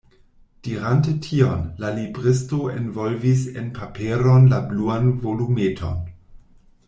Dirante tion, la libristo envolvis en paperon la bluan volumeton.